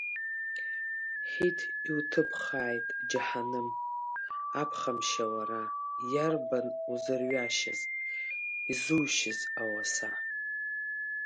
Ҳиҭ, иуҭыԥхааит џьаҳаным, аԥхамшьа уара, Иарбан узырҩашьаз, изушьыз ауаса!